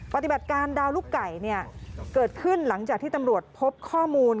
ปฏิบัติการดาวลูกไก่เกิดขึ้นหลังจากที่ตำรวจพบข้อมูล